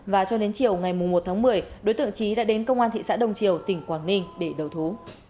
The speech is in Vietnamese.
và cho đến chiều ngày một tháng một mươi đối tượng trí đã đến công an thị xã đông triều tỉnh quảng ninh để đầu thú